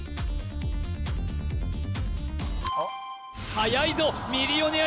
はやいぞ「ミリオネア」